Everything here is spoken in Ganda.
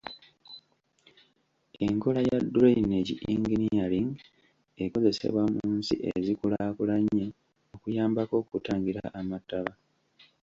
Enkola ya drainage engineering ekozesebwa mu nsi ezikulaakulanye okuyambako okutangira amataba.